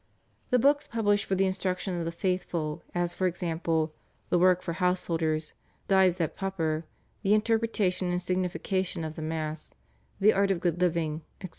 The books published for the instruction of the faithful as for example, /The Work for Householders/, /Dives et Pauper/, /The Interpretation and Signification of the Mass/, /The Art of Good Living/, etc.